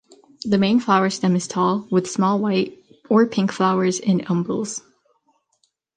The main flower stem is tall, with small white or pink flowers in umbels.